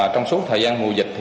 trong suốt thời gian mùa dịch